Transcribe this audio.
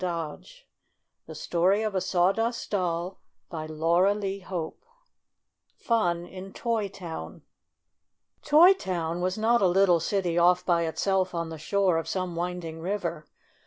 110 THE STORY OF A SAWDUST DOLL CHAPTER I FUN IN TOT TOWN Tot Town was not a little city off by it self on the shore of some winding river.